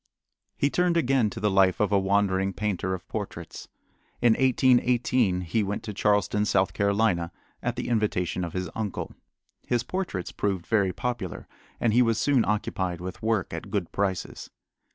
He turned again to the life of a wandering painter of portraits. In 1818 he went to Charleston, South Carolina, at the invitation of his uncle. His portraits proved very popular and he was soon occupied with work at good prices.